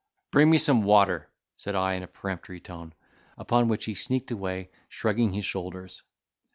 "Bring me some water!" said I, in a peremptory tone; upon which he sneaked away shrugging his shoulders.